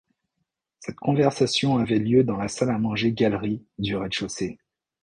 Cette conversation avait lieu dans la salle à manger-galerie du rez-de-chaussée.